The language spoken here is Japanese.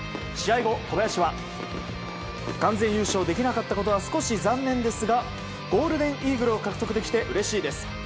試合後、小林は完全優勝できなかったことは少し残念ですがゴールデンイーグルを獲得できてうれしいです。